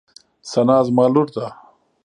ثنا زما لور ده.